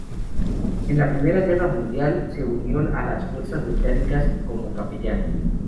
En la Primera Guerra Mundial se unió a las Fuerzas Británicas como capellán.